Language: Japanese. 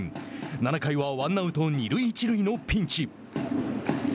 ７回はワンアウト二塁一塁のピンチ。